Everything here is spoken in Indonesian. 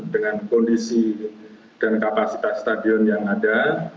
dengan kondisi dan kapasitas stadion yang ada